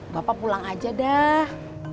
bapak pulang aja dah